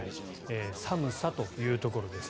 寒さというところです。